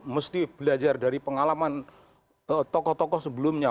mesti belajar dari pengalaman tokoh tokoh sebelumnya